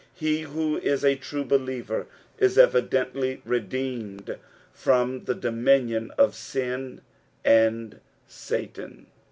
He who is a true believer is evidently redeemed from the dominion of sin and Batan.